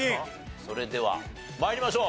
それでは参りましょう。